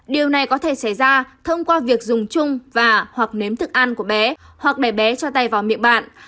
điều này có thể xảy ra thông qua việc dùng chung và hoặc nếm thức ăn của bé hoặc để bé cho tay vào miệng bạn